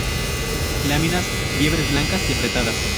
Láminas libres, blancas y apretadas.